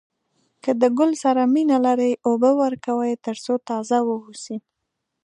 که د ګل سره مینه لرئ اوبه ورکوئ تر څو تازه واوسي.